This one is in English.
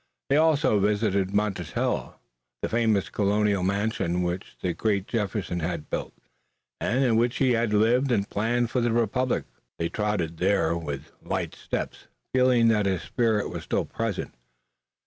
They also visited Monticello, the famous colonial mansion which the great Jefferson had built, and in which he had lived and planned for the republic. They trod there with light steps, feeling that his spirit was still present.